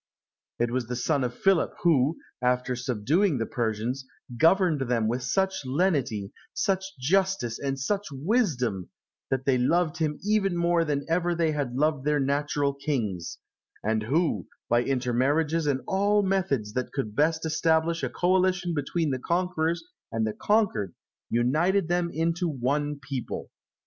It was the son of Philip who, after subduing the Persians, governed them with such lenity, such justice, and such wisdom, that they loved him even more than ever they had loved their natural kings; and who, by intermarriages and all methods that could best establish a coalition between the conquerors and the conquered, united them into one people.